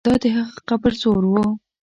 دا د هغه قبر زور وو.